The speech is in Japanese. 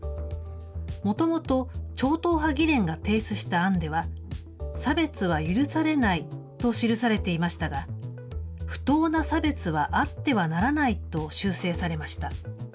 もともと、超党派議連が提出した案では、差別は許されないと記されていましたが、不当な差別はあってはならないと修正されました。